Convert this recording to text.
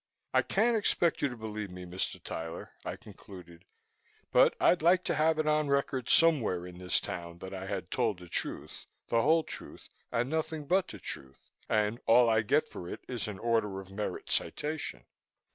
"I can't expect you to believe me, Mr. Tyler," I concluded, "but I'd like to have it on record somewhere in this town that I had told the truth, the whole truth and nothing but the truth, and all I get for it is an Order of Merit citation."